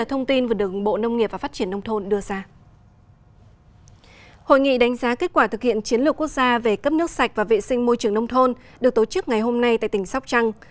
hội nghị đánh giá kết quả thực hiện chiến lược quốc gia về cấp nước sạch và vệ sinh môi trường nông thôn được tổ chức ngày hôm nay tại tỉnh sóc trăng